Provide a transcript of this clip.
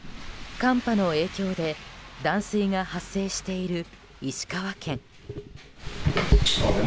寒波の影響で断水が発生している石川県。